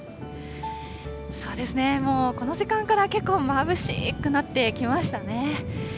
そうですね、もうこの時間から結構、まぶしくなってきましたね。